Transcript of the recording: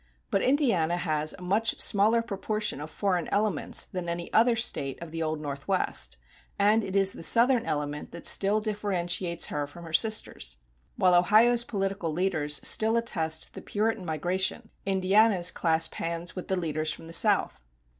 But Indiana has a much smaller proportion of foreign elements than any other State of the Old Northwest, and it is the Southern element that still differentiates her from her sisters. While Ohio's political leaders still attest the Puritan migration, Indiana's clasp hands with the leaders from the South.